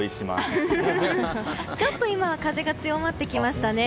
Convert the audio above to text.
ちょっと今は風が強まってきましたね。